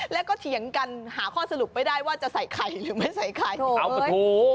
แล้วก็เถียงกันหาข้อสรุปไม่ได้ว่าจะใส่ไข่หรือไม่ใส่ไข่